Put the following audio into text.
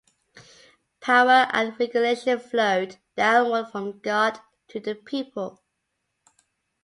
Power and regulation flowed downward from God to the people.